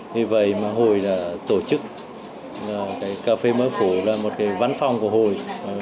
vì vậy mà hồi tổ chức cà phê mới phủ là một cái văn phòng của hồi